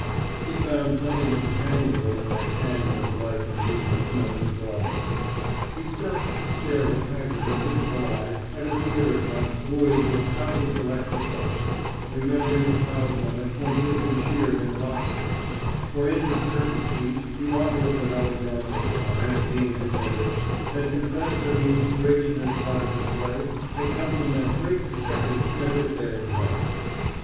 He found nothing companionable in that cañon of life and movement known as Broadway. He stopped to stare with haggard and wistful eyes at a theater front buoyed with countless electric bulbs, remembering the proud moment when he had been cheered in a box there, for in his curtain speech the author of the melodrama of crime being presented had confessed that the inspiration and plot of his play had come from that great detective, Never Fail Blake.